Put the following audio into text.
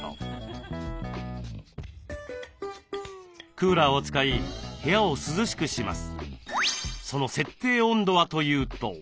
クーラーを使い部屋を涼しくします。